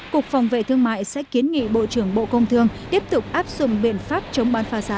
cục phòng vệ thương mại sẽ kiến nghị bộ trưởng bộ công thương tiếp tục áp dụng biện pháp chống bán phá giá